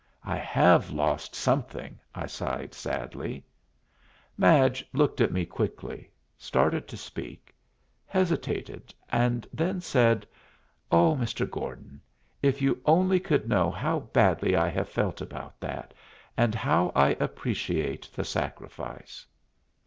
"I have lost something," I sighed sadly. Madge looked at me quickly, started to speak, hesitated, and then said, "Oh, Mr. Gordon, if you only could know how badly I have felt about that, and how I appreciate the sacrifice."